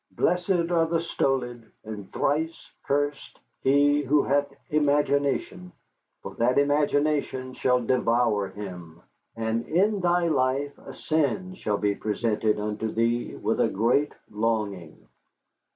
Blessed are the stolid, and thrice cursed he who hath imagination, for that imagination shall devour him. And in thy life a sin shall be presented unto thee with a great longing.